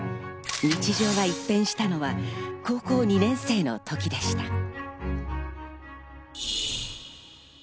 日常が一変したのは高校２年生の時でした。